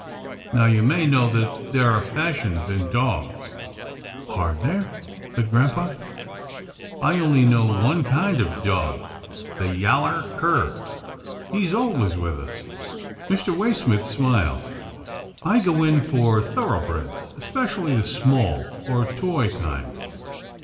Now you may know that there are fashions in dogs." " Are there? " said grampa. " I only know one kind of dog — the yaller cur. He's always with us." Mr. Waysmith smiled. " I go in for thorough breds, especially the small, or toy kind.